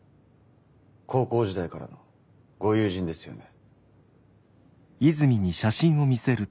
高校時代からのご友人ですよね？